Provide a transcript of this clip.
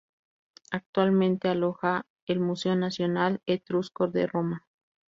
Actualmente aloja el Museo Nacional Etrusco de Roma.